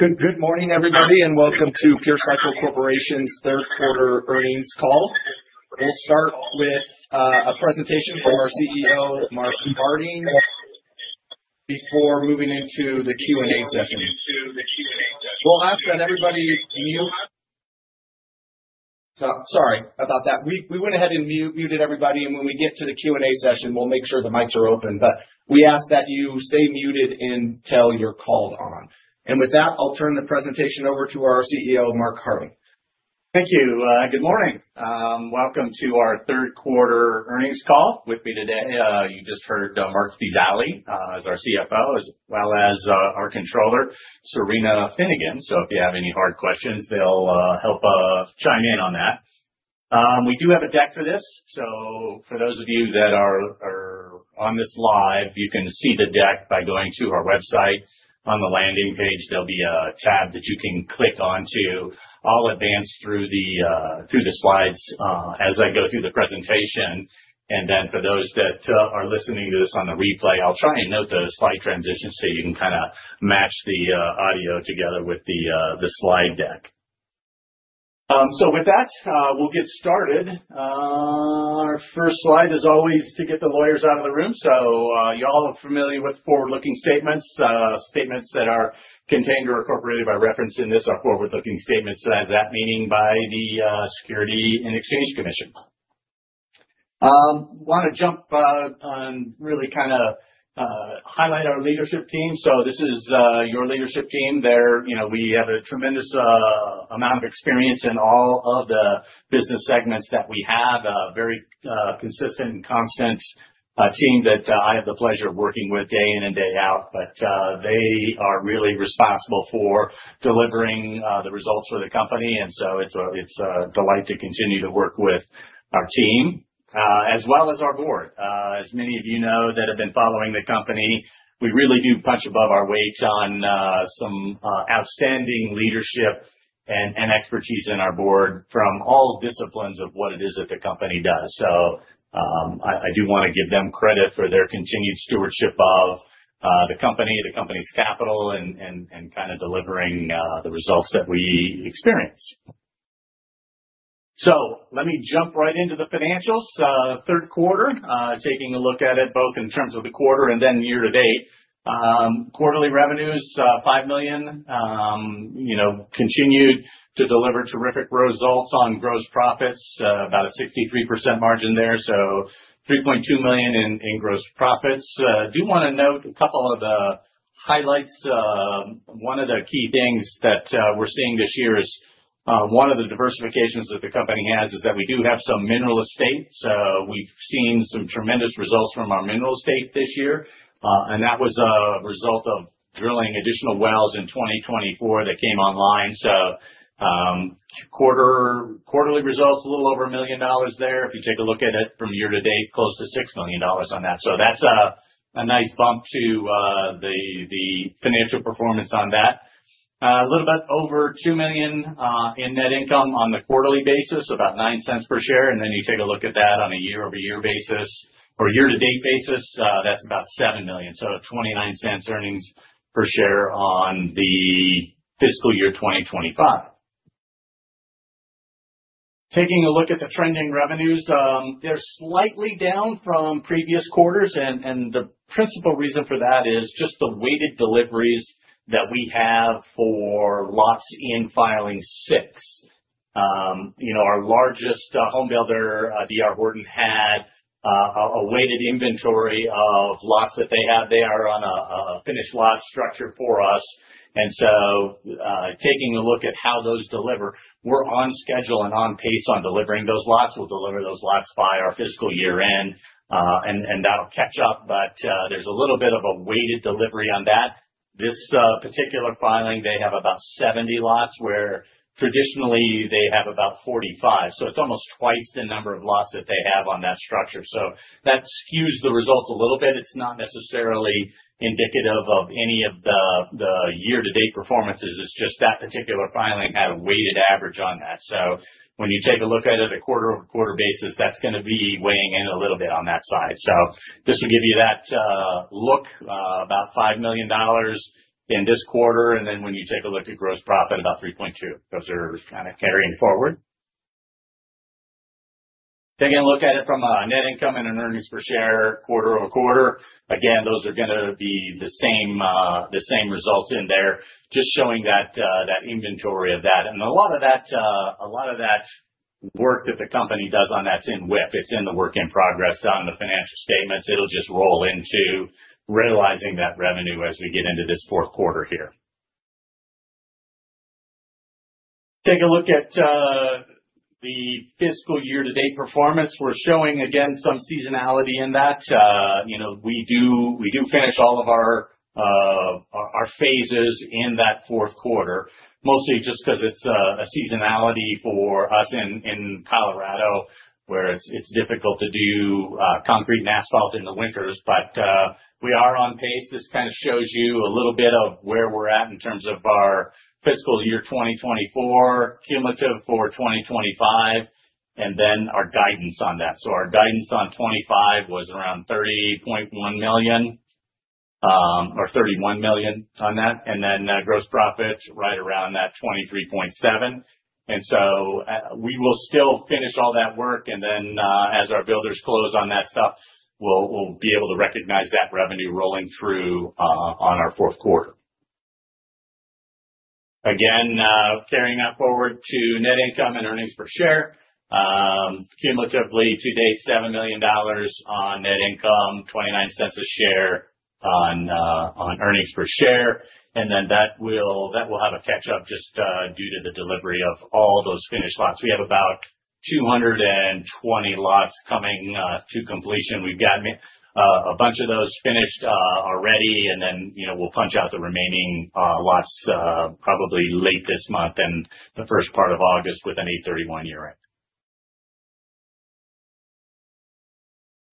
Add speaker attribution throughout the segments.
Speaker 1: Good morning, everybody, and welcome to Pure Cycle Corporation's third quarter earnings call. We'll start with a presentation from our CEO, Mark Harding, before moving into the Q&A session. We ask that everybody mute. Sorry about that. We went ahead and muted everybody, and when we get to the Q&A session, we'll make sure the mics are open. We ask that you stay muted until you're called on. With that, I'll turn the presentation over to our CEO, Mark Harding.
Speaker 2: Thank you. Good morning. Welcome to our third quarter earnings call. With me today, you just heard Marc Spezialy as our CFO, as well as our Controller, Cyrena Finnegan. If you have any hard questions, they'll help chime in on that. We do have a deck for this. For those of you that are on this live, you can see the deck by going to our website. On the landing page, there'll be a tab that you can click on to. I'll advance through the slides as I go through the presentation. For those that are listening to this on the replay, I'll try and note the slide transitions so you can kind of match the audio together with the slide deck. With that, we'll get started. Our first slide is always to get the lawyers out of the room. You all are familiar with forward-looking statements. Statements that are contained or incorporated by reference in this are forward-looking statements, that meaning by the Securities and Exchange Commission. I want to jump and really kind of highlight our leadership team. This is your leadership team. We have a tremendous amount of experience in all of the business segments that we have. A very consistent and commonsense team that I have the pleasure of working with day in and day out. They are really responsible for delivering the results for the company. It is a delight to continue to work with our team as well as our board. As many of you know that have been following the company, we really do punch above our weights on some outstanding leadership and expertise in our board from all disciplines of what it is that the company does. I do want to give them credit for their continued stewardship of the company, the company's capital, and kind of delivering the results that we experience. Let me jump right into the financials. Third quarter, taking a look at it both in terms of the quarter and then year-to-date. Quarterly revenues, $5 million. Continued to deliver terrific results on gross profits, about a 63% margin there. $3.2 million in gross profits. I do want to note a couple of the highlights. One of the key things that we're seeing this year is one of the diversifications that the company has is that we do have some mineral estate. We've seen some tremendous results from our mineral estate this year. That was a result of drilling additional wells in 2024 that came online. Quarterly results, a little over $1 million there. If you take a look at it from year-to-date, close to $6 million on that. That's a nice bump to the financial performance on that. A little bit over $2 million in net income on the quarterly basis, about $0.09 per share. You take a look at that on a year-over-year basis or year-to-date basis, that's about $7 million. So $0.29 earnings per share on the fiscal year 2025. Taking a look at the trending revenues, they're slightly down from previous quarters. The principal reason for that is just the weighted deliveries that we have for lots in Filing 6. Our largest home builder, D.R. Horton, had a weighted inventory of lots that they have. They are on a finished lot structure for us. Taking a look at how those deliver, we're on schedule and on pace on delivering those lots. We'll deliver those lots by our fiscal year end, and that'll catch up. There's a little bit of a weighted delivery on that. This particular filing, they have about 70 lots where traditionally they have about 45. It's almost twice the number of lots that they have on that structure. That skews the results a little bit. It's not necessarily indicative of any of the year-to-date performances. It's just that particular filing had a weighted average on that. When you take a look at it at a quarter-over-quarter basis, that's going to be weighing in a little bit on that side. Just to give you that look, about $5 million in this quarter. When you take a look at gross profit, about $3.2 million. Those are kind of carrying forward. Taking a look at it from a net income and an earnings per share quarter-over-quarter. Again, those are going to be the same results in there, just showing that inventory of that. A lot of that work that the company does on that's in WIP. It's in the work in progress on the financial statements. It'll just roll into realizing that revenue as we get into this fourth quarter here. Take a look at the fiscal year-to-date performance. We're showing again some seasonality in that. We do finish all of our phases in that fourth quarter, mostly just because it's a seasonality for us in Colorado where it's difficult to do concrete and asphalt in the winters. We are on pace. This kind of shows you a little bit of where we're at in terms of our fiscal year 2024, cumulative for 2025, and then our guidance on that. Our guidance on 2025 was around $30.1 million or $31 million on that. Gross profit right around that $23.7 million. We will still finish all that work. As our builders close on that stuff, we'll be able to recognize that revenue rolling through on our fourth quarter, carrying that forward to net income and earnings per share. Cumulatively to date, $7 million on net income, $0.29 a share on earnings per share. That will have a catch-up just due to the delivery of all those finished lots. We have about 220 lots coming to completion. We've got a bunch of those finished already. We'll punch out the remaining lots probably late this month and the first part of August with an 8/31 year end.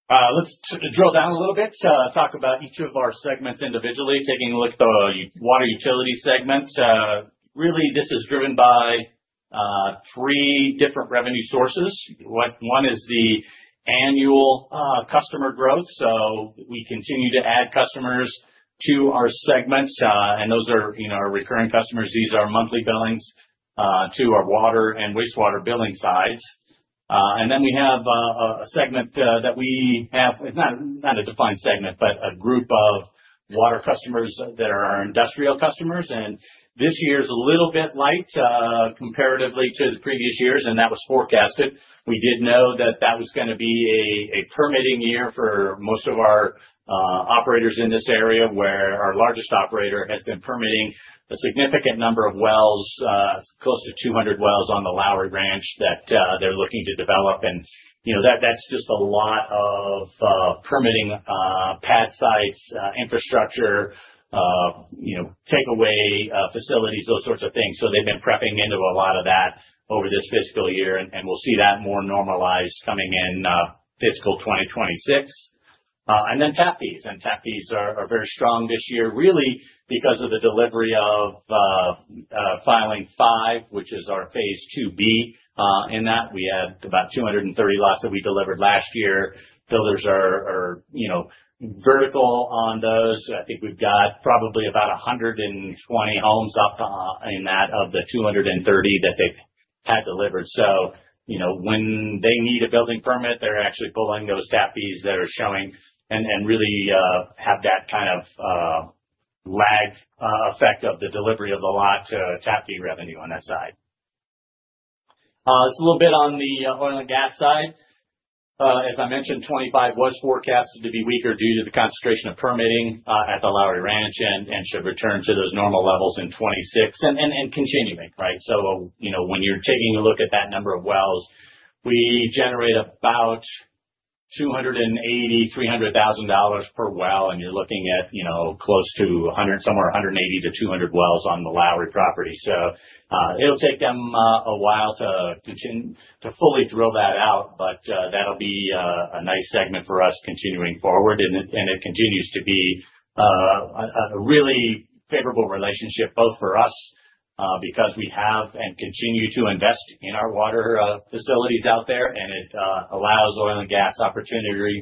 Speaker 2: Let's drill down a little bit to talk about each of our segments individually, taking a look at the water utility segment. This is driven by three different revenue sources. One is the annual customer growth. We continue to add customers to our segments, and those are our recurring customers. These are our monthly billings to our water and wastewater billing size. We have a segment that we have, it's not a defined segment, but a group of water customers that are our industrial customers. This year's a little bit light comparatively to the previous years, and that was forecasted. We did know that that was going to be a permitting year for most of our operators in this area where our largest operator has been permitting a significant number of wells, close to 200 wells on the Lowry Ranch that they're looking to develop. That's just a lot of permitting pad sites, infrastructure, takeaway facilities, those sorts of things. They've been prepping into a lot of that over this fiscal year. We'll see that more normalized coming in fiscal 2026. Tap fees are very strong this year, really because of the delivery of Filing 5, which is our Phase 2B. In that, we had about 230 lots that we delivered last year. Builders are vertical on those. I think we've got probably about 120 homes up in that of the 230 that they've had delivered. When they need a building permit, they're actually pulling those tap fees that are showing and really have that kind of lag effect of the delivery of the lot to tap fee revenue on that side. Just a little bit on the oil and gas side. As I mentioned, 2025 was forecasted to be weaker due to the concentration of permitting at the Lowry Ranch and should return to those normal levels in 2026 and continuing, right? When you're taking a look at that number of wells, we generate about $280,000, $300,000 per well, and you're looking at close to 100, somewhere 180-200 wells on the Lowry property. It'll take them a while to fully drill that out, but that'll be a nice segment for us continuing forward. It continues to be a really favorable relationship both for us because we have and continue to invest in our water facilities out there. It allows oil and gas operators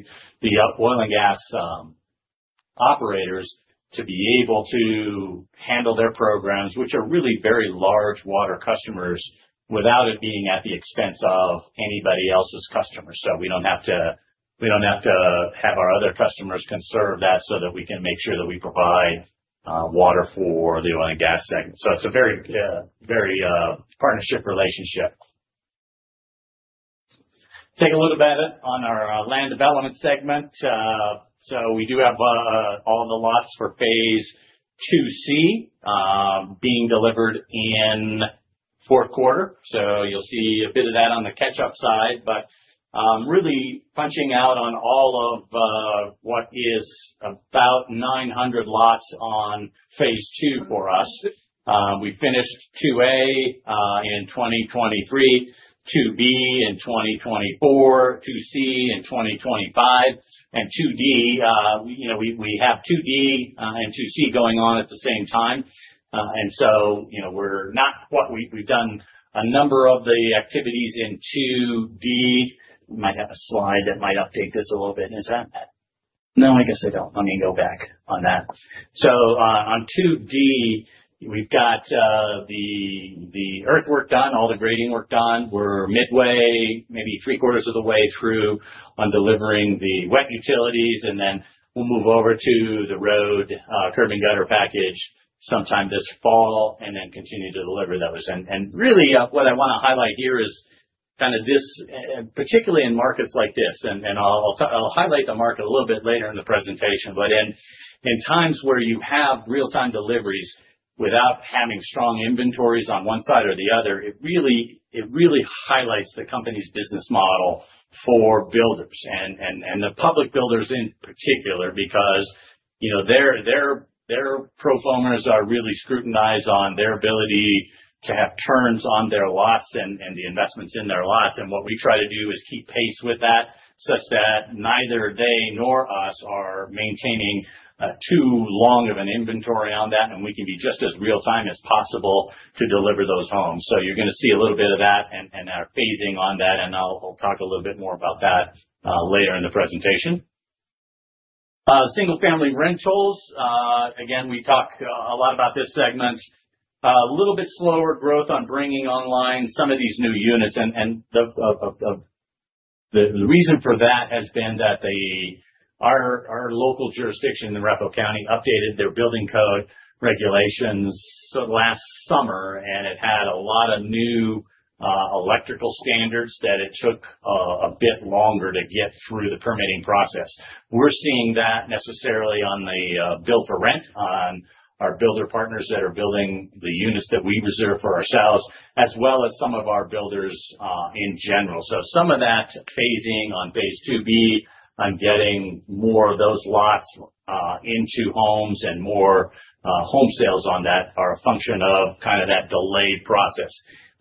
Speaker 2: to be able to handle their programs, which are really very large water customers, without it being at the expense of anybody else's customers. We don't have to have our other customers conserve that so that we can make sure that we provide water for the oil and gas segment. It's a very, very partnership relationship. Take a look at it on our land development segment. We do have all the lots for Phase 2C being delivered in fourth quarter. You'll see a bit of that on the catch-up side. Really punching out on all of what is about 900 lots on Phase 2 for us. We finished 2A in 2023, 2B in 2024, 2C in 2025, and 2D. We have 2D and 2C going on at the same time. We're not quite, we've done a number of the activities in 2D. I might have a slide that might update this a little bit. Is that? No, I guess I don't. Let me go back on that. On 2D, we've got the earthwork done, all the grading work done. We're midway, maybe three quarters of the way through on delivering the wet utilities. We'll move over to the road curb and gutter package sometime this fall and then continue to deliver those. What I want to highlight here is kind of this, particularly in markets like this, and I'll highlight the market a little bit later in the presentation. In times where you have real-time deliveries without having strong inventories on one side or the other, it really highlights the company's business model for builders and the public builders in particular because their pro forma are really scrutinized on their ability to have turns on their lots and the investments in their lots. What we try to do is keep pace with that such that neither they nor us are maintaining too long of an inventory on that, and we can be just as real-time as possible to deliver those homes. You're going to see a little bit of that in our phasing on that. I'll talk a little bit more about that later in the presentation. Single-family rentals, again, we talk a lot about this segment. A little bit slower growth on bringing online some of these new units. The reason for that has been that our local jurisdiction in Arapahoe County updated their building code regulations last summer, and it had a lot of new electrical standards that took a bit longer to get through the permitting process. We're seeing that necessarily on the build for rent on our builder partners that are building the units that we reserve for ourselves, as well as some of our builders in general. Some of that phasing on Phase 2B on getting more of those lots into homes and more home sales on that are a function of that delayed process.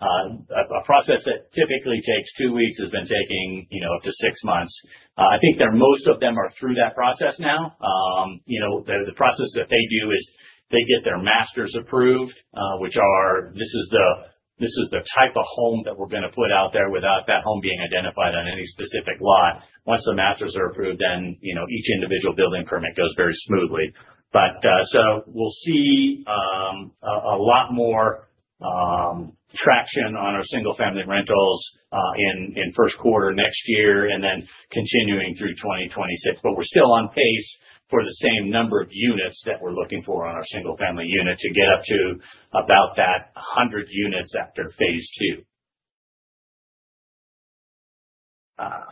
Speaker 2: A process that typically takes two weeks has been taking up to six months. I think that most of them are through that process now. The process that they do is they get their masters approved, which are, this is the type of home that we're going to put out there without that home being identified on any specific lot. Once the masters are approved, then each individual building permit goes very smoothly. We'll see a lot more traction on our single-family rentals in first quarter next year and then continuing through 2026. We're still on pace for the same number of units that we're looking for on our single-family units to get up to about that 100 units after Phase 2.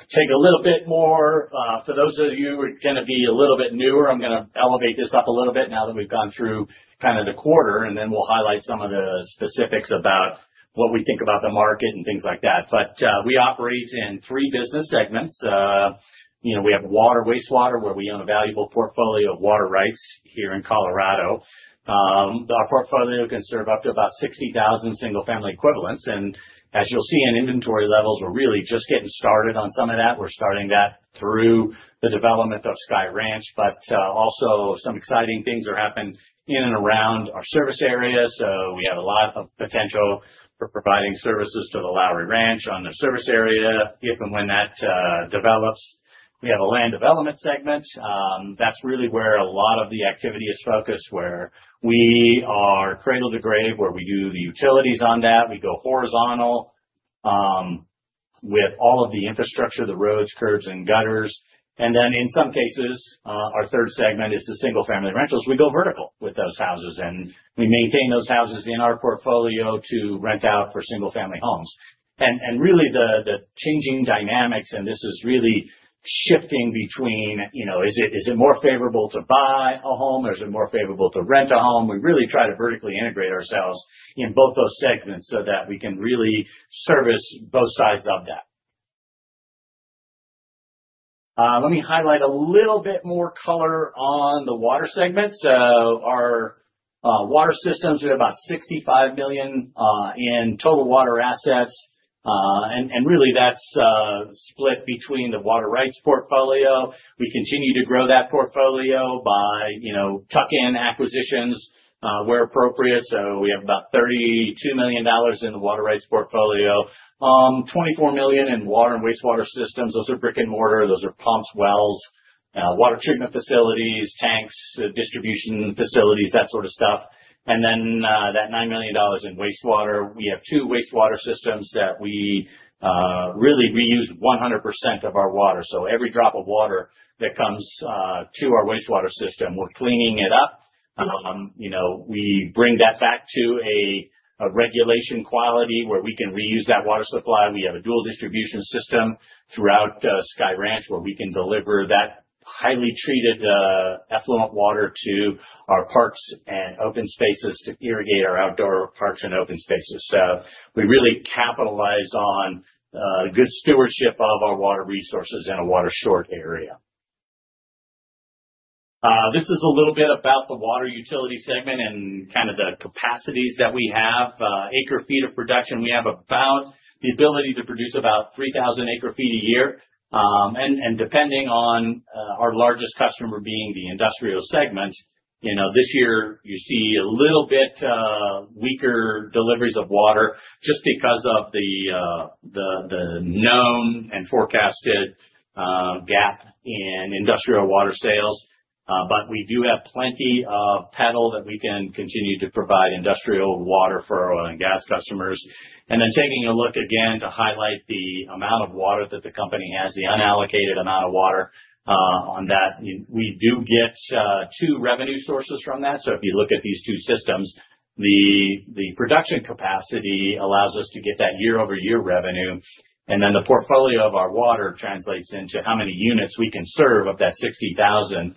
Speaker 2: Take a little bit more for those of you who are going to be a little bit newer. I'm going to elevate this up a little bit now that we've gone through the quarter. We'll highlight some of the specifics about what we think about the market and things like that. We operate in three business segments. We have water, wastewater, where we own a valuable portfolio of water rights here in Colorado. Our portfolio can serve up to about 60,000 single-family equivalents. As you'll see in inventory levels, we're really just getting started on some of that. We're starting that through the development of Sky Ranch. Also, some exciting things are happening in and around our service area. We have a lot of potential for providing services to the Lowry Ranch on the service area if and when that develops. We have a land development segment. That's really where a lot of the activity is focused, where we are cradle to grave, where we do the utilities on that. We go horizontal with all of the infrastructure, the roads, curbs, and gutters. In some cases, our third segment is the single-family rentals. We go vertical with those houses. We maintain those houses in our portfolio to rent out for single-family homes. The changing dynamics, and this is really shifting between, you know, is it more favorable to buy a home or is it more favorable to rent a home? We really try to vertically integrate ourselves in both those segments so that we can really service both sides of that. Let me highlight a little bit more color on the water segment. Our water systems, we have about $65 million in total water assets. That's split between the water rights portfolio. We continue to grow that portfolio by, you know, tuck-in acquisitions where appropriate. We have about $32 million in the water rights portfolio, $24 million in water and wastewater systems. Those are brick and mortar. Those are pumps, wells, water treatment facilities, tanks, distribution facilities, that sort of stuff. That $9 million in wastewater, we have two wastewater systems that we really reuse 100% of our water. Every drop of water that comes to our wastewater system, we're cleaning it up. We bring that back to a regulation quality where we can reuse that water supply. We have a dual distribution system throughout Sky Ranch where we can deliver that highly treated effluent water to our parks and open spaces to irrigate our outdoor parks and open spaces. We really capitalize on good stewardship of our water resources in a water-short area. This is a little bit about the water utility segment and kind of the capacities that we have. Acre feet of production, we have about the ability to produce about 3,000 acre feet a year. Depending on our largest customer being the industrial segments, this year you see a little bit weaker deliveries of water just because of the known and forecasted gap in industrial water sales. We do have plenty of pedal that we can continue to provide industrial water for oil and gas customers. Taking a look again to highlight the amount of water that the company has, the unallocated amount of water on that. We do get two revenue sources from that. If you look at these two systems, the production capacity allows us to get that year-over-year revenue. The portfolio of our water translates into how many units we can serve of that 60,000.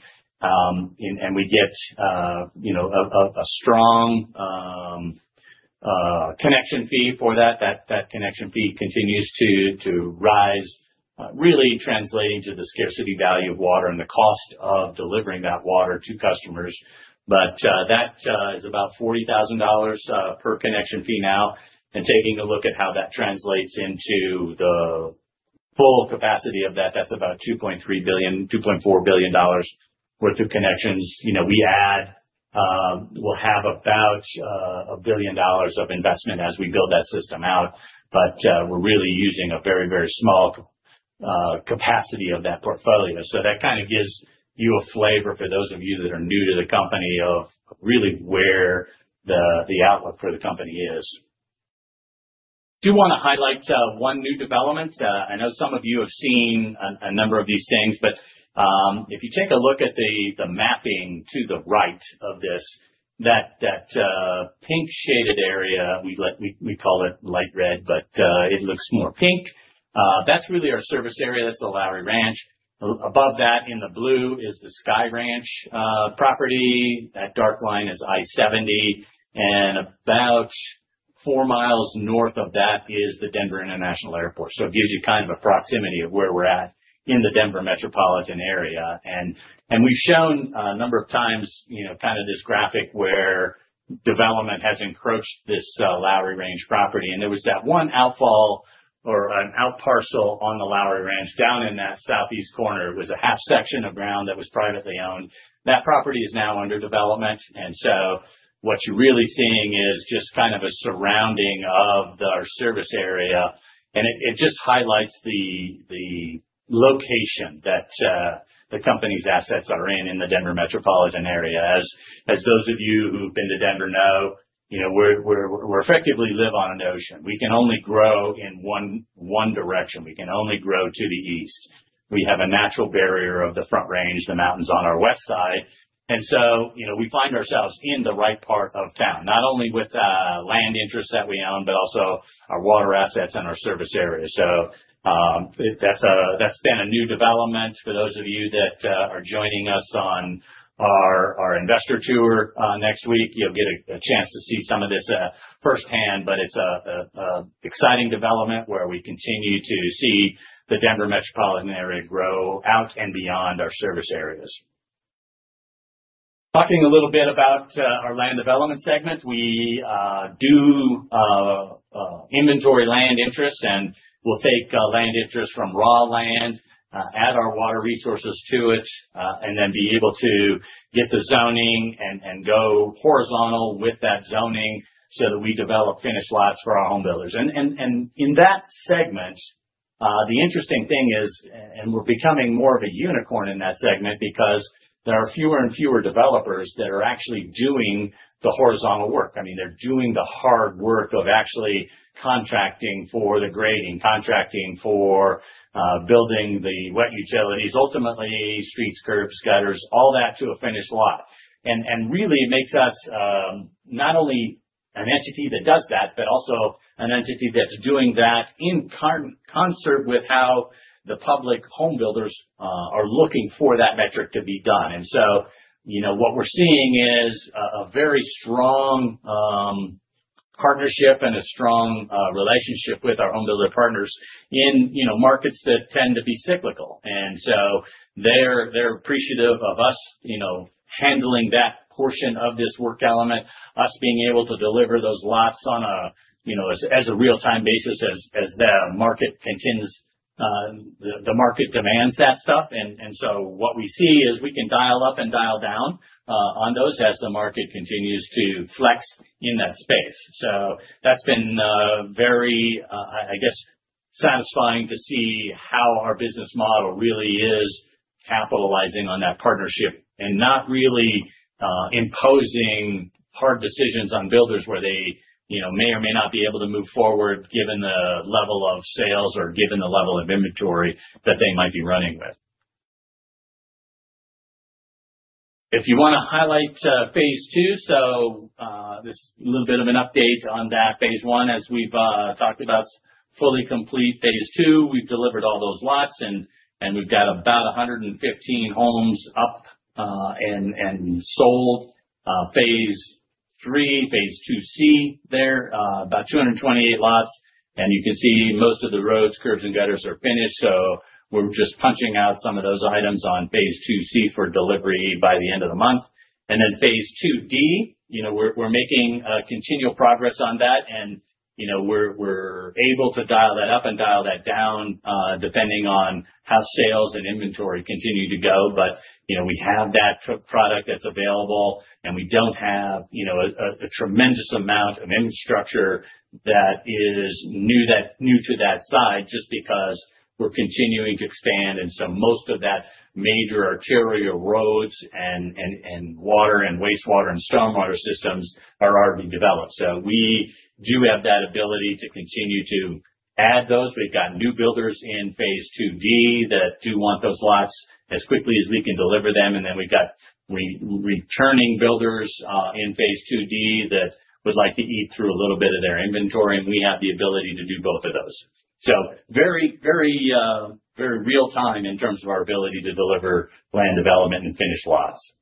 Speaker 2: We get a strong connection fee for that. That connection fee continues to rise, really translating to the scarcity value of water and the cost of delivering that water to customers. That is about $40,000 per connection fee now. Taking a look at how that translates into the full capacity of that, that's about $2.4 billion worth of connections. We add, we'll have about $1 billion of investment as we build that system out. We're really using a very, very small capacity of that portfolio. That kind of gives you a flavor for those of you that are new to the company of really where the outlook for the company is. I do want to highlight one new development. I know some of you have seen a number of these things. If you take a look at the mapping to the right of this, that pink shaded area, we call it light red, but it looks more pink. That's really our service area. That's the Lowry Ranch. Above that in the blue is the Sky Ranch property. That dark line is I-70. About 4 mi north of that is the Denver International Airport. It gives you kind of a proximity of where we're at in the Denver metropolitan area. We've shown a number of times this graphic where development has encroached this Lowry Ranch property. There was that one outfall or an outparcel on the Lowry Ranch down in that southeast corner. It was a half section of ground that was privately owned. That property is now under development. What you're really seeing is just kind of a surrounding of our service area. It just highlights the location that the company's assets are in in the Denver metropolitan area. As those of you who've been to Denver know, we effectively live on an ocean. We can only grow in one direction. We can only grow to the east. We have a natural barrier of the Front Range, the mountains on our west side. We find ourselves in the right part of town, not only with the land interest that we own, but also our water assets and our service area. That's been a new development. For those of you that are joining us on our investor tour next week, you'll get a chance to see some of this firsthand. It's an exciting development where we continue to see the Denver metropolitan area grow out and beyond our service areas. Talking a little bit about our land development segment, we do inventory land interests and we'll take land interests from raw land, add our water resources to it, and then be able to get the zoning and go horizontal with that zoning so that we develop finished lots for our home builders. In that segment, the interesting thing is, we're becoming more of a unicorn in that segment because there are fewer and fewer developers that are actually doing the horizontal work. They're doing the hard work of actually contracting for the grading, contracting for building the wet utilities, ultimately streets, curbs, gutters, all that to a finished lot. It makes us not only an entity that does that, but also an entity that's doing that in concert with how the public home builders are looking for that metric to be done. What we're seeing is a very strong partnership and a strong relationship with our home builder partners in markets that tend to be cyclical. They're appreciative of us handling that portion of this work element, us being able to deliver those lots on a real-time basis as the market continues, the market demands that stuff. What we see is we can dial up and dial down on those as the market continues to flex in that space. That's been very, I guess, satisfying to see how our business model really is capitalizing on that partnership and not really imposing hard decisions on builders where they may or may not be able to move forward given the level of sales or given the level of inventory that they might be running with. If you want to highlight Phase 2, this is a little bit of an update on that Phase 1. As we've talked about, fully complete Phase 2, we've delivered all those lots and we've got about 115 homes up and sold. Phase 3, Phase 2C there, about 228 lots. You can see most of the roads, curbs, and gutters are finished. We're just punching out some of those items on Phase 2C for delivery by the end of the month. Phase 2D, we're making continual progress on that. We're able to dial that up and dial that down depending on how sales and inventory continue to go. We have that truck product that's available and we don't have a tremendous amount of infrastructure that is new to that side just because we're continuing to expand. Most of that major arterial roads and water and wastewater and stormwater systems are already developed. We do have that ability to continue to add those. We've got new builders in Phase 2D that do want those lots as quickly as we can deliver them. We've got returning builders in Phase 2D that would like to eat through a little bit of their inventory. We have the ability to do both of those. Very, very, very real-time in terms of our ability to deliver land development and finish lots.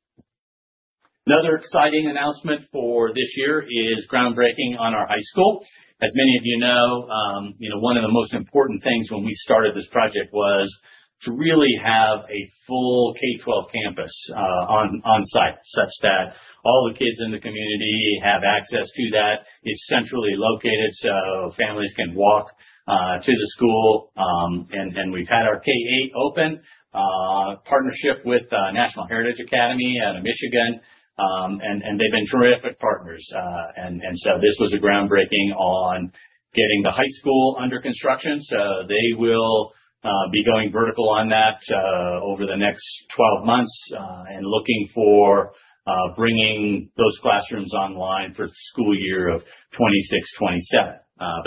Speaker 2: Another exciting announcement for this year is groundbreaking on our high school. As many of you know, one of the most important things when we started this project was to really have a full K-12 campus on site such that all the kids in the community have access to that. It's centrally located so families can walk to the school. We've had our K-8 open partnership with the National Heritage Academy out of Michigan, and they've been terrific partners. This was a groundbreaking on getting the high school under construction. They will be going vertical on that over the next 12 months and looking for bringing those classrooms online for the school year of 2026-2027.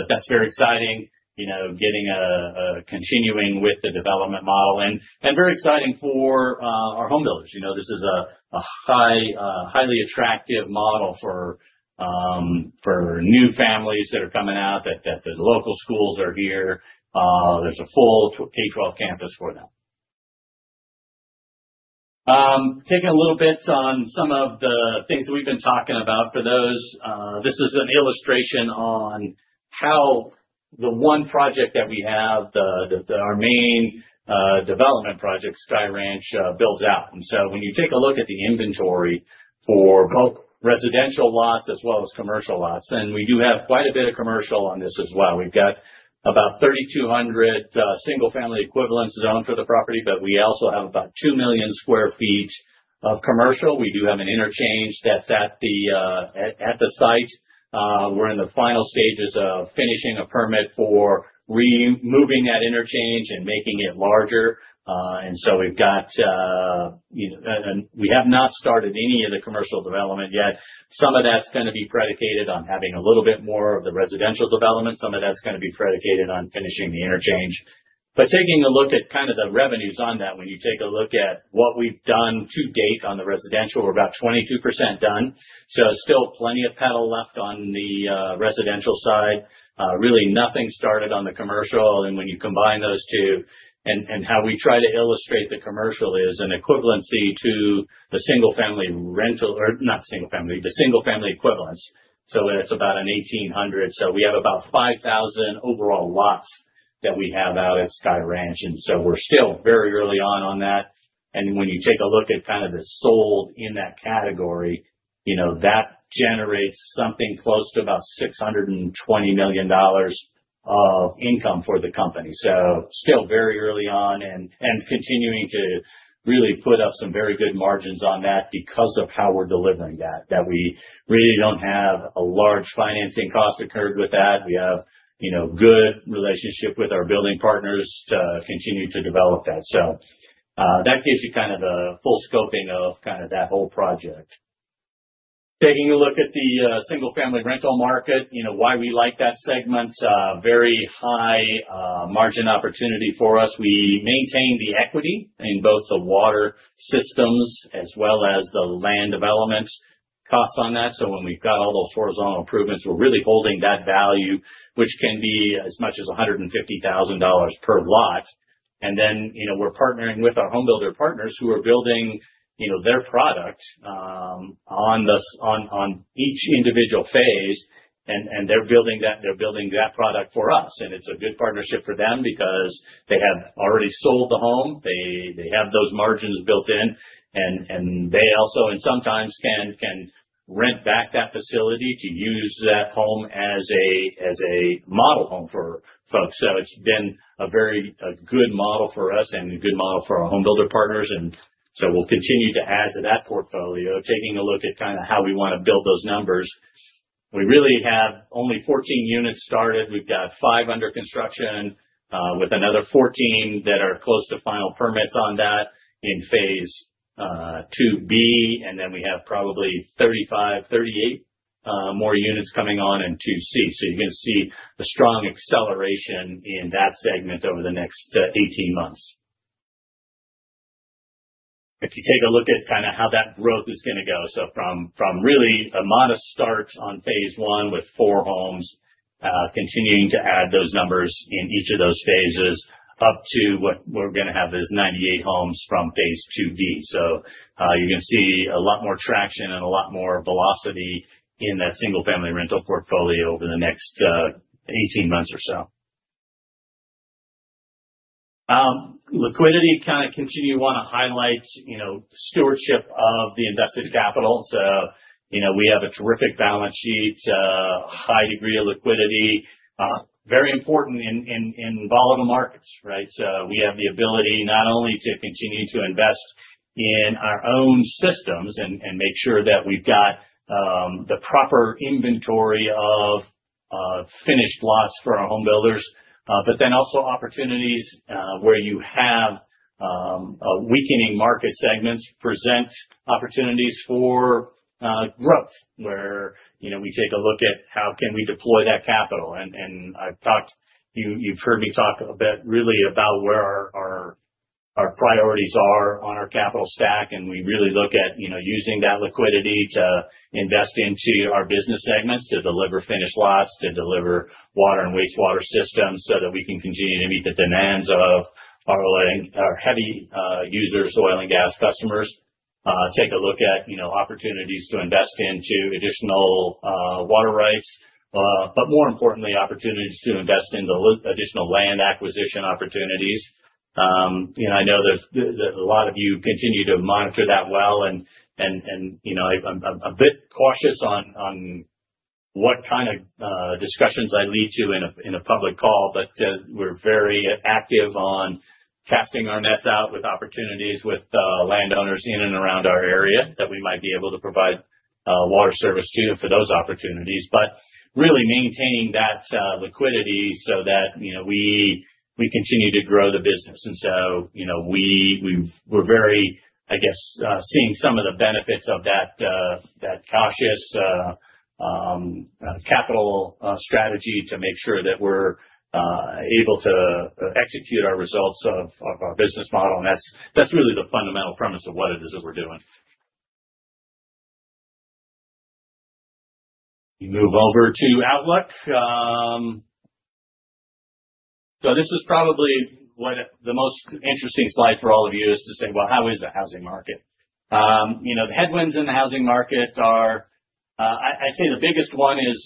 Speaker 2: That's very exciting, getting a continuing with the development model and very exciting for our home builders. This is a highly attractive model for new families that are coming out that the local schools are here. There's a full K-12 campus for them. Taking a little bit on some of the things that we've been talking about for those, this is an illustration on how the one project that we have, our main development project, Sky Ranch, builds out. When you take a look at the inventory for both residential lots as well as commercial lots, we do have quite a bit of commercial on this as well. We've got about 3,200 single-family equivalents zoned for the property, but we also have about 2 million sq ft of commercial. We do have an interchange that's at the site. We're in the final stages of finishing a permit for removing that interchange and making it larger. We've got, you know, and we have not started any of the commercial development yet. Some of that's going to be predicated on having a little bit more of the residential development. Some of that's going to be predicated on finishing the interchange. Taking a look at kind of the revenues on that, when you take a look at what we've done to date on the residential, we're about 22% done. Still plenty of petal left on the residential side. Really nothing started on the commercial. When you combine those two and how we try to illustrate the commercial is an equivalency to the single-family rental or not single-family, the single-family equivalents. Where it's about 1,800. We have about 5,000 overall lots that we have out at Sky Ranch. We're still very early on on that. When you take a look at kind of the sold in that category, that generates something close to about $620 million of income for the company. Still very early on and continuing to really put up some very good margins on that because of how we're delivering that. We really don't have a large financing cost occurred with that. We have, you know, a good relationship with our building partners to continue to develop that. That gives you kind of the full scoping of kind of that whole project. Taking a look at the single-family rental market, why we like that segment, very high margin opportunity for us. We maintain the equity in both the water systems as well as the land development costs on that. When we've got all those horizontal improvements, we're really holding that value, which can be as much as $150,000 per lot. We're partnering with our home builder partners who are building, you know, their product on each individual phase. They're building that, they're building that product for us. It's a good partnership for them because they have already sold the home. They have those margins built in. They also, and sometimes can rent back that facility to use that home as a model home for folks. It's been a very good model for us and a good model for our home builder partners. We'll continue to add to that portfolio, taking a look at kind of how we want to build those numbers. We really have only 14 units started. We've got five under construction with another 14 that are close to final permits on that in Phase 2B. We have probably 35, 38 more units coming on in 2C. You are going to see a strong acceleration in that segment over the next 18 months. If you take a look at kind of how that growth is going to go, from really a modest start on Phase 1 with four homes, continuing to add those numbers in each of those phases up to what we are going to have is 98 homes from Phase 2D. You are going to see a lot more traction and a lot more velocity in that single-family rental portfolio over the next 18 months or so. Liquidity kind of continues to want to highlight stewardship of the invested capital. We have a terrific balance sheet, a high degree of liquidity, very important in volatile markets, right? We have the ability not only to continue to invest in our own systems and make sure that we have the proper inventory of finished lots for our home builders, but then also opportunities where you have weakening market segments present opportunities for growth, where we take a look at how can we deploy that capital. I have talked, you have heard me talk a bit really about where our priorities are on our capital stack. We really look at using that liquidity to invest into our business segments to deliver finished lots, to deliver water and wastewater systems so that we can continue to meet the demands of our heavy users, oil and gas customers. Take a look at opportunities to invest into additional water rights, but more importantly, opportunities to invest in the additional land acquisition opportunities. I know that a lot of you continue to monitor that well. I am a bit cautious on what kind of discussions I lead to in a public call, but we are very active on casting our nets out with opportunities with landowners in and around our area that we might be able to provide water service to for those opportunities. Really maintaining that liquidity so that we continue to grow the business. We are very, I guess, seeing some of the benefits of that cautious capital strategy to make sure that we are able to execute our results of our business model. That is really the fundamental premise of what it is that we are doing. We move over to outlook. This was probably one of the most interesting slides for all of you to say, how is the housing market? The headwinds in the housing market are, I would say the biggest one is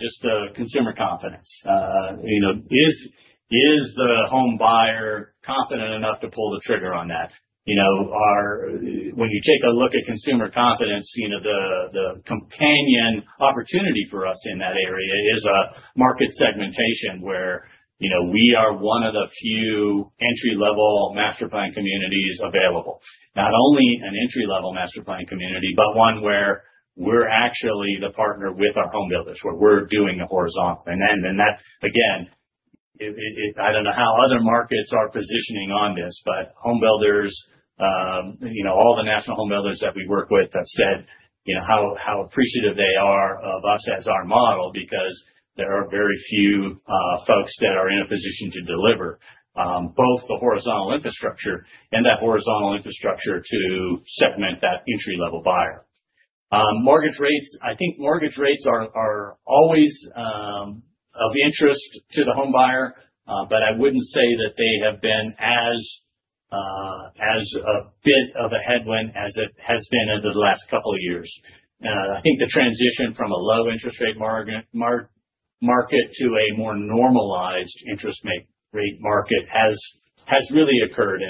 Speaker 2: just the consumer confidence. You know, is the home buyer confident enough to pull the trigger on that? When you take a look at consumer confidence, the companion opportunity for us in that area is a market segmentation where we are one of the few entry-level master-planned communities available. Not only an entry-level master-planned community, but one where we're actually the partner with our home builders, where we're doing it horizontal. I don't know how other markets are positioning on this, but home builders, all the national home builders that we work with have said how appreciative they are of us as our model because there are very few folks that are in a position to deliver both the horizontal infrastructure and that horizontal infrastructure to supplement that entry-level buyer. Mortgage rates, I think mortgage rates are always of interest to the home buyer, but I wouldn't say that they have been as much of a headwind as it has been over the last couple of years. I think the transition from a low interest rate market to a more normalized interest rate market has really occurred.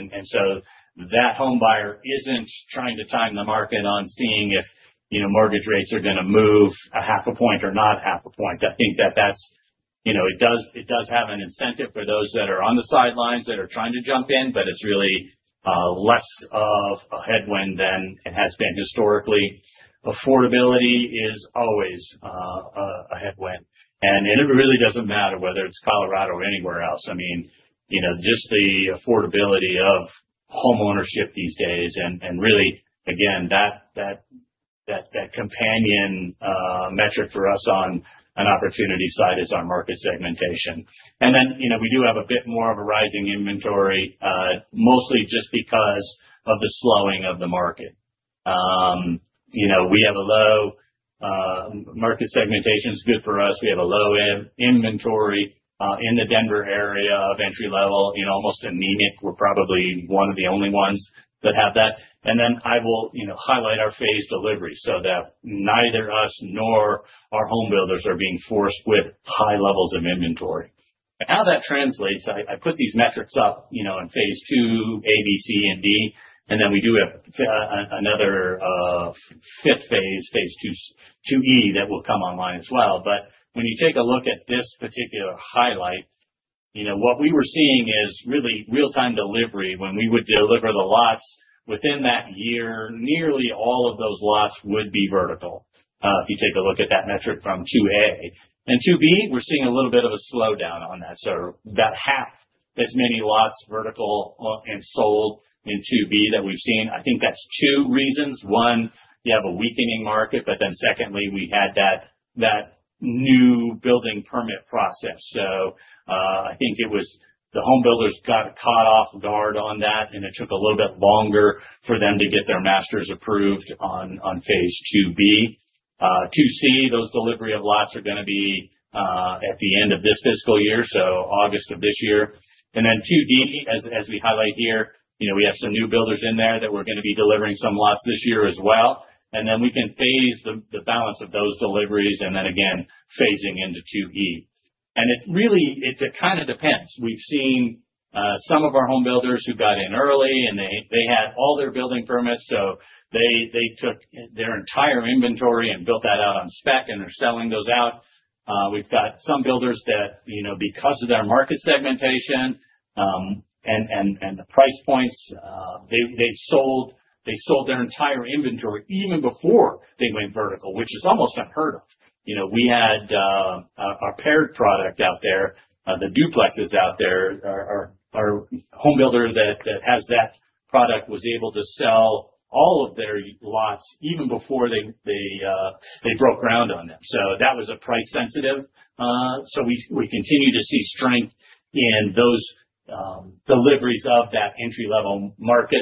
Speaker 2: That home buyer isn't trying to time the market on seeing if mortgage rates are going to move a half a point or not a half a point. I think that does have an incentive for those that are on the sidelines that are trying to jump in, but it's really less of a headwind than it has been historically. Affordability is always a headwind. It really doesn't matter whether it's Colorado or anywhere else. I mean, just the affordability of home ownership these days. That companion metric for us on an opportunity side is our market segmentation. We do have a bit more of a rising inventory, mostly just because of the slowing of the market. We have a low market segmentation. It's good for us. We have a low inventory in the Denver area of entry-level, almost anemic. We're probably one of the only ones that have that. I will highlight our phase deliveries so that neither us nor our home builders are being forced with high levels of inventory. How that translates, I put these metrics up in Phase 2, A, B, C, and D. We do have another fifth phase, Phase 2E, that will come online as well. When you take a look at this particular highlight, what we were seeing is really real-time delivery. When we would deliver the lots within that year, nearly all of those lots would be vertical. If you take a look at that metric from 2A and 2B, we're seeing a little bit of a slowdown on that. About half as many lots are vertical and sold in 2B that we've seen. I think that's two reasons. One, you have a weakening market, and secondly, we had that new building permit process. I think the home builders got caught off guard on that, and it took a little bit longer for them to get their master's approved on Phase 2B. 2C, those delivery of lots are going to be at the end of this fiscal year, so August of this year. 2D, as we highlight here, we have some new builders in there that we're going to be delivering some lots this year as well. We can phase the balance of those deliveries and then again phasing into 2E. It really kind of depends. We've seen some of our home builders who got in early and they had all their building permits, so they took their entire inventory and built that out on spec and are selling those out. We've got some builders that, because of their market segmentation and the price points, they sold their entire inventory even before they went vertical, which is almost unheard of. We had our paired product out there, the duplexes out there. Our home builder that has that product was able to sell all of their lots even before they broke ground on them. That was price sensitive. We continue to see strength in those deliveries of that entry-level market.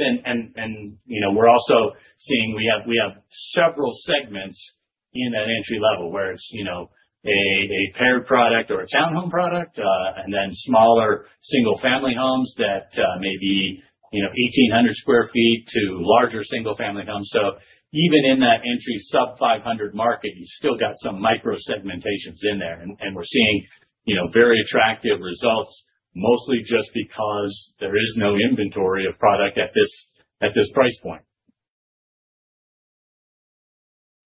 Speaker 2: We're also seeing we have several segments in that entry-level where it's a paired product or a townhome product and then smaller single-family homes that may be 1,800 sq ft to larger single-family homes. Even in that entry sub-$500,000 market, you still got some micro segmentations in there. We're seeing very attractive results, mostly just because there is no inventory of product at this price point.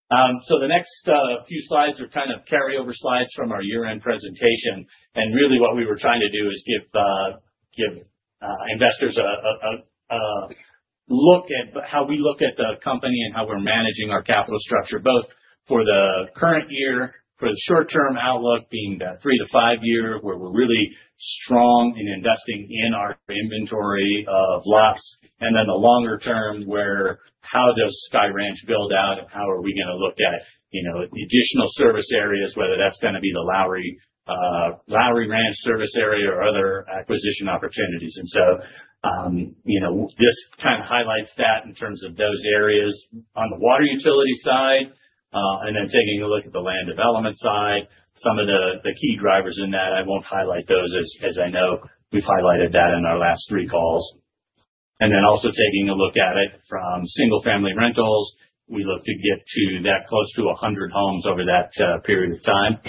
Speaker 2: The next few slides are kind of carryover slides from our year-end presentation. What we were trying to do is give investors a look at how we look at the company and how we're managing our capital structure, both for the current year, for the short-term outlook being that three to five year where we're really strong in investing in our inventory of lots, and then the longer term where how does Sky Ranch build out and how are we going to look at, you know, additional service areas, whether that's going to be the Lowry Ranch service area or other acquisition opportunities. This kind of highlights that in terms of those areas on the water utility side. Taking a look at the land development side, some of the key drivers in that, I won't highlight those as I know we've highlighted that in our last three calls. Also taking a look at it from single-family rentals, we look to get to that close to 100 homes over that period of time.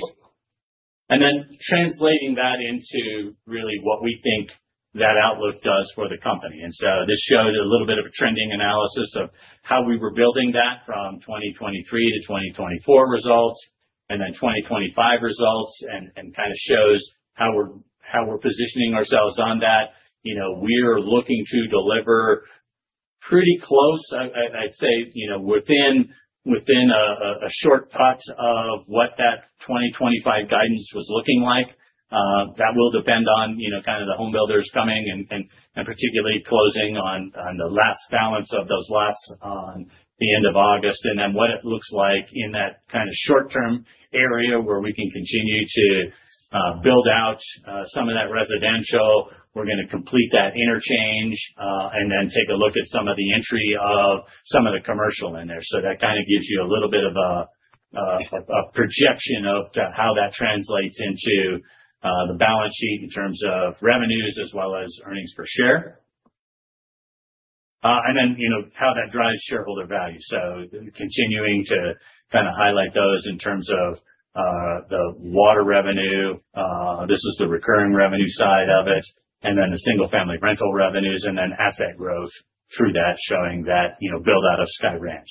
Speaker 2: Translating that into really what we think that outlook does for the company, this showed a little bit of a trending analysis of how we were building that from 2023 to 2024 results, and then 2025 results, and kind of shows how we're positioning ourselves on that. We're looking to deliver pretty close, and I'd say, within a short touch of what that 2025 guidance was looking like. That will depend on the home builders coming and particularly closing on the last balance of those lots on the end of August. What it looks like in that kind of short-term area where we can continue to build out some of that residential. We're going to complete that interchange and then take a look at some of the entry of some of the commercial in there. That kind of gives you a little bit of a projection of how that translates into the balance sheet in terms of revenues as well as earnings per share, and how that drives shareholder value. Continuing to kind of highlight those in terms of the water revenue, this is the recurring revenue side of it, and then the single-family rental revenues and then asset growth through that showing that build out of Sky Ranch.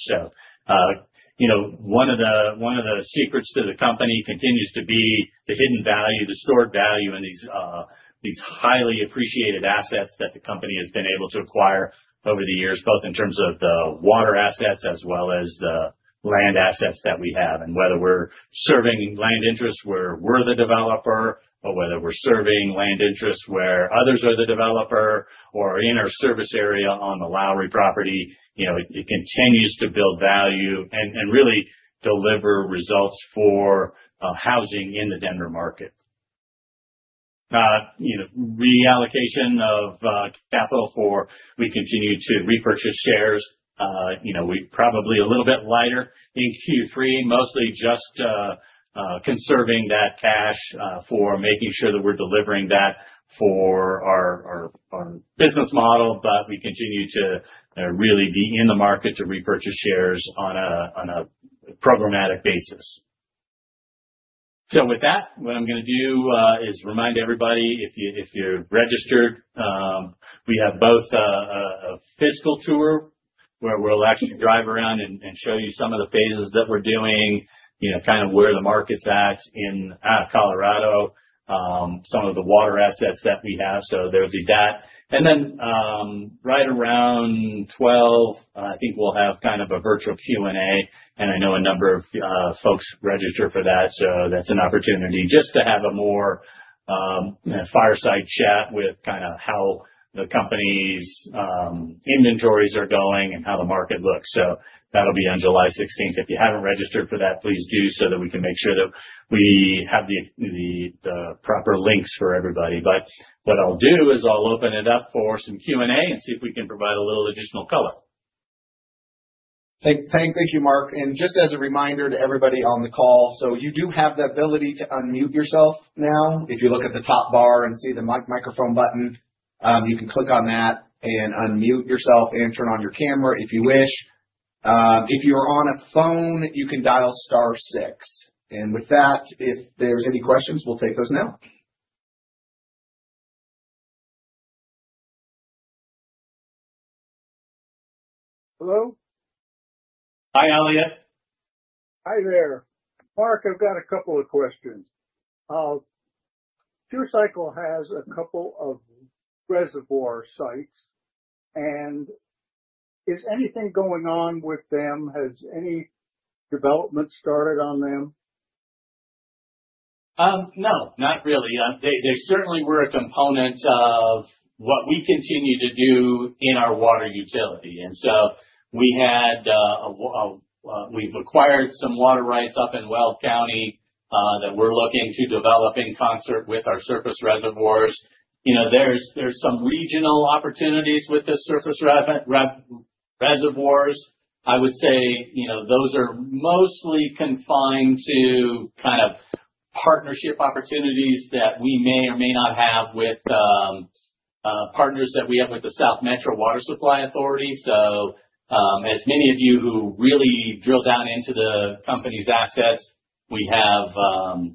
Speaker 2: One of the secrets to the company continues to be the hidden value, the stored value in these highly appreciated assets that the company has been able to acquire over the years, both in terms of the water assets as well as the land assets that we have. Whether we're serving land interest where we're the developer, or whether we're serving land interest where others are the developer, or in our service area on the Lowry property, it continues to build value and really deliver results for housing in the Denver market. Reallocation of capital for we continue to repurchase shares. We're probably a little bit lighter in Q3, mostly just conserving that cash for making sure that we're delivering that for our business model. We continue to really be in the market to repurchase shares on a programmatic basis. With that, what I'm going to do is remind everybody, if you're registered, we have both a fiscal tour where we'll actually drive around and show you some of the phases that we're doing, kind of where the market's at in Colorado, some of the water assets that we have. There'll be that. Then right around 12:00 P.M., I think we'll have kind of a virtual Q&A. I know a number of folks register for that. That's an opportunity just to have a more fireside chat with kind of how the company's inventories are going and how the market looks. That'll be on July 16th. If you haven't registered for that, please do so that we can make sure that we have the proper links for everybody. What I'll do is I'll open it up for some Q&A and see if we can provide a little additional color.
Speaker 1: Thank you, Mark. Just as a reminder to everybody on the call, you do have the ability to unmute yourself now. If you look at the top bar and see the microphone button, you can click on that and unmute yourself and turn on your camera if you wish. If you're on a phone, you can dial star six. With that, if there's any questions, we'll take those now.
Speaker 3: Hello?
Speaker 2: Hi, Eliot.
Speaker 3: Hi there. Mark, I've got a couple of questions. Pure Cycle has a couple of reservoir sites. Is anything going on with them? Has any development started on them?
Speaker 2: No, not really. They certainly were a component of what we continue to do in our water utility. We have acquired some water rights up in Weld County that we're looking to develop in concert with our surface reservoirs. There are some regional opportunities with the surface reservoirs. I would say those are mostly confined to partnership opportunities that we may or may not have with partners that we have with the South Metro Water Supply Authority. As many of you who really drill down into the company's assets know,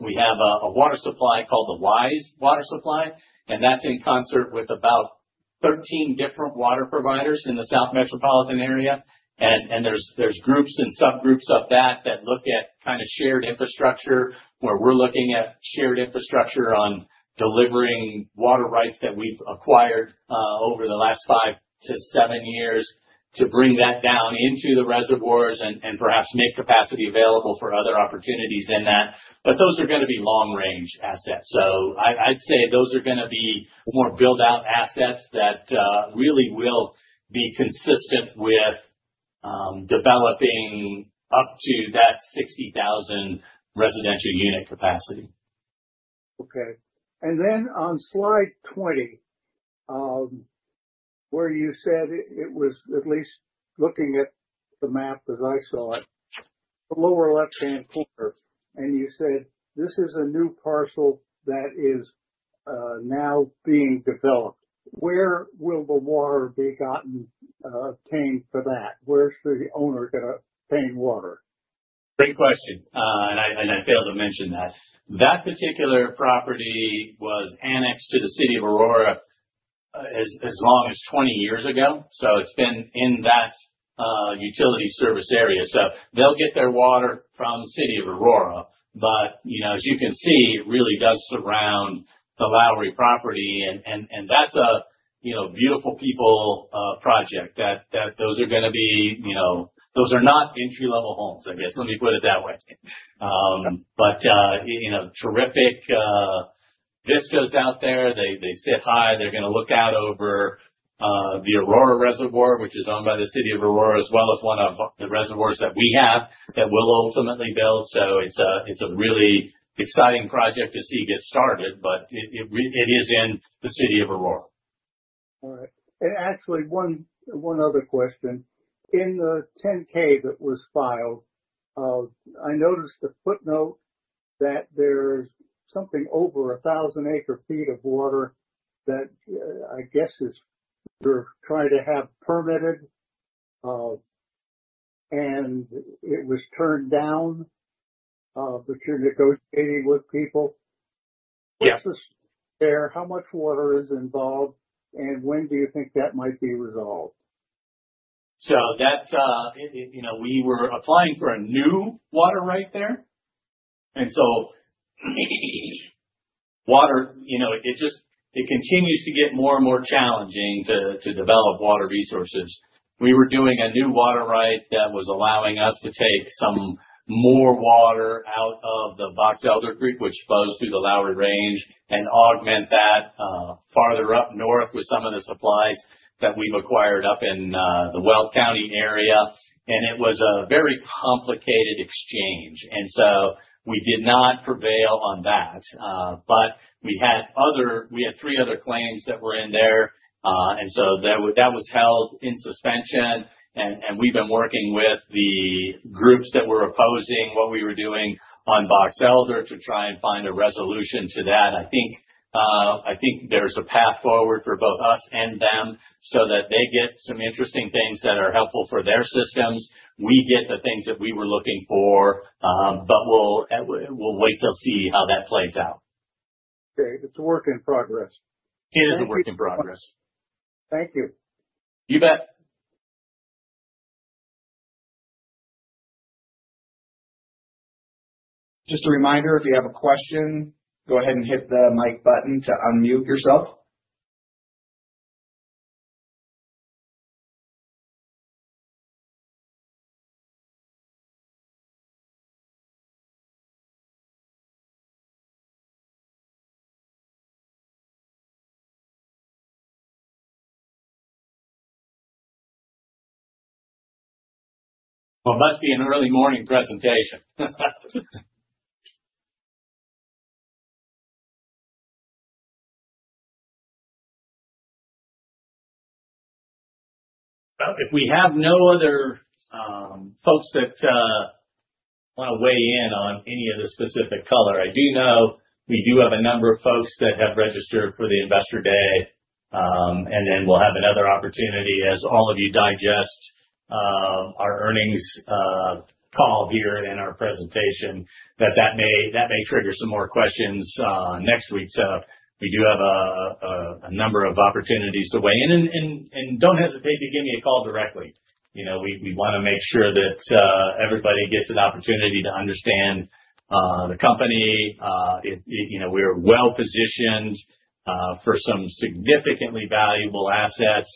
Speaker 2: we have a water supply called the WISE water supply. That's in concert with about 13 different water providers in the South Metropolitan area. There are groups and subgroups of that that look at shared infrastructure where we're looking at shared infrastructure on delivering water rights that we've acquired over the last five to seven years to bring that down into the reservoirs and perhaps make capacity available for other opportunities in that. Those are going to be long-range assets. I'd say those are going to be more build-out assets that really will be consistent with developing up to that 60,000 residential unit capacity.
Speaker 3: Okay. On slide 20, where you said it was at least looking at the map as I saw it, the lower left-hand corner, you said, "This is a new parcel that is now being developed." Where will the water be obtained for that? Where's the owner going to obtain water?
Speaker 2: Great question. I failed to mention that. That particular property was annexed to the City of Aurora as long as 20 years ago. It has been in that utility service area. They will get their water from the City of Aurora. As you can see, it really does surround the Lowry property. That is a beautiful people project. Those are not entry-level homes, I guess. Let me put it that way. Terrific vistas out there. They sit high. They are going to look out over the Aurora Reservoir, which is owned by the City of Aurora, as well as one of the reservoirs that we have that we will ultimately build. It is a really exciting project to see get started. It is in the City of Aurora.
Speaker 3: All right. Actually, one other question. In the 10-K that was filed, I noticed the footnote that there's something over 1,000 acre feet of water that I guess you're trying to have permitted. It was turned down because you're negotiating with people.
Speaker 2: Yes.
Speaker 3: What's this? How much water is involved? When do you think that might be resolved?
Speaker 2: We were applying for a new water right there. Water just continues to get more and more challenging to develop water resources. We were doing a new water right that was allowing us to take some more water out of the Box Elder Creek, which flows through the Lowry Range, and augment that farther up north with some of the supplies that we've acquired up in the Weld County area. It was a very complicated exchange. We did not prevail on that. We had three other claims that were in there. That was held in suspension. We've been working with the groups that were opposing what we were doing on Box Elder to try and find a resolution to that. I think there's a path forward for both us and them so that they get some interesting things that are helpful for their systems. We get the things that we were looking for. We'll wait to see how that plays out.
Speaker 3: Okay. It's a work in progress.
Speaker 2: It is a work in progress.
Speaker 3: Thank you.
Speaker 2: You bet.
Speaker 1: Just a reminder, if you have a question, go ahead and hit the mic button to unmute yourself.
Speaker 2: It must be an early morning presentation. If we have no other folks that want to weigh in on any of the specific color, I do know we do have a number of folks that have registered for the Investor Day. We will have another opportunity as all of you digest our earnings call here and our presentation that may trigger some more questions next week. We do have a number of opportunities to weigh in. Don't hesitate to give me a call directly. We want to make sure that everybody gets an opportunity to understand the company. We're well positioned for some significantly valuable assets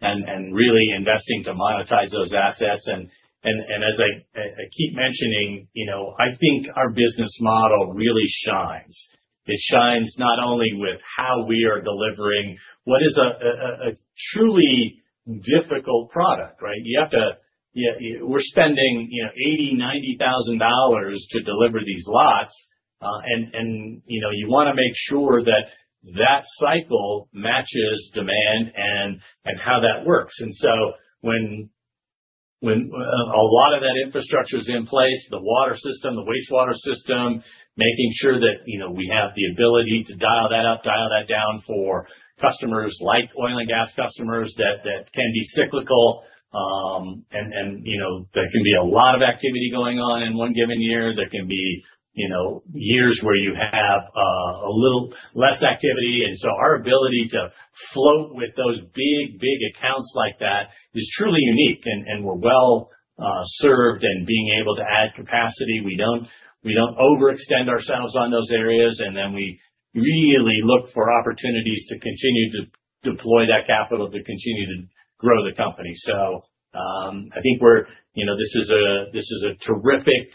Speaker 2: and really investing to monetize those assets. As I keep mentioning, I think our business model really shines. It shines not only with how we are delivering what is a truly difficult product, right? We're spending $80,000, $90,000 to deliver these lots. You want to make sure that cycle matches demand and how that works. When a lot of that infrastructure is in place, the water system, the wastewater system, making sure that we have the ability to dial that up, dial that down for customers like oil and gas customers that can be cyclical. There can be a lot of activity going on in one given year. There can be years where you have a little less activity. Our ability to float with those big, big accounts like that is truly unique. We're well served in being able to add capacity. We don't overextend ourselves on those areas. We really look for opportunities to continue to deploy that capital to continue to grow the company. I think this is a terrific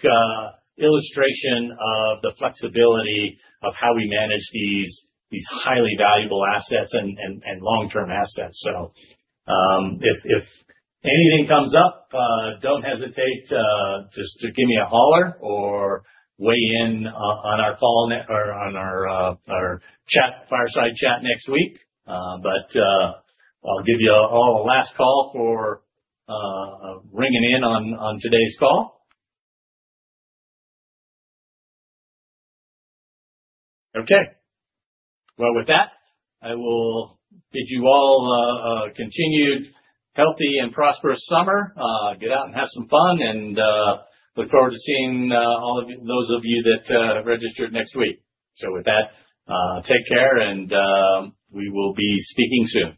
Speaker 2: illustration of the flexibility of how we manage these highly valuable assets and long-term assets. If anything comes up, don't hesitate to just give me a holler or weigh in on our call or on our chat, fireside chat next week. I'll give you all a last call for ringing in on today's call. With that, I will bid you all a continued healthy and prosperous summer. Get out and have some fun and look forward to seeing all of those of you that have registered next week. With that, take care and we will be speaking soon.